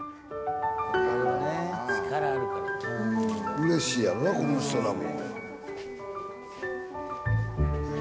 うれしいやろなこの人らも。